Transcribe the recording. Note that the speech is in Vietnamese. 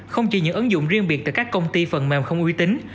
không chỉ những ứng dụng riêng biệt từ các công ty phần mềm không uy tín